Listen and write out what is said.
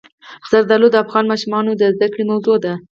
زردالو د افغان ماشومانو د زده کړې موضوع ده.